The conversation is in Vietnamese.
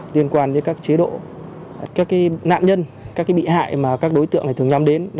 liên quan đến các chế độ các nạn nhân các bị hại mà các đối tượng này thường nhắm đến